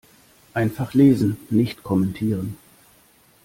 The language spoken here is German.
Einfach lesen, nicht kommentieren.